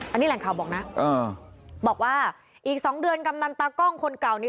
อันนี้แหล่งข่าวบอกนะบอกว่าอีก๒เดือนกำนันตากล้องคนเก่านี้